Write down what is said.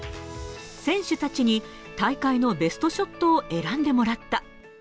選手たちに、大会のベストショットを選んでもらった。